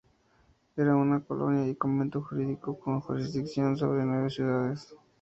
Era una "Colonia" y "Convento jurídico", con jurisdicción sobre nueve ciudades.